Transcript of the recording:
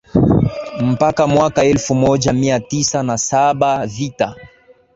Mpaka mwaka elfu moja mia tisa na saba Vita